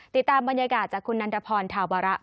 ติดตามบรรยากาศจากคุณอนุปพนธ์ธาวบราอาจารย์